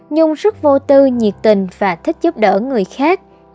nhưng rất vô tư nhiệt tình và thích giúp đỡ người khác